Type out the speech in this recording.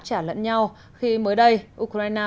trả lẫn nhau khi mới đây ukraine